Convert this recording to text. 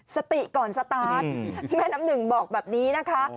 สติก่อนสตาร์ทแม่น้ำหนึ่งบอกแบบนี้นะคะ